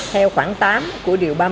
theo khoảng tám của điều ba mươi năm